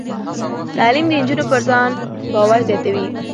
تعلیم د نجونو پر ځان باور زیاتوي.